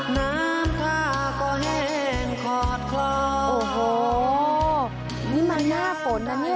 น้ำน้ำข้าก็เห็นขอดคลอโอ้โหนี่มาหน้าฝนน่ะเนี้ย